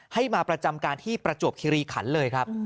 ให้มาประจำการที่ประจวบคิริขันเลยครับ